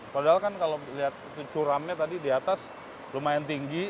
padahal kan kalau lihat curamnya tadi di atas lumayan tinggi